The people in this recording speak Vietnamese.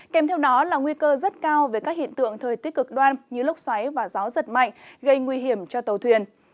kèm theo đó là nguy cơ rất cao về các hiện tượng thời tiết cực đoan như lốc xoáy và gió giật mạnh gây nguy hiểm cho tàu thuyền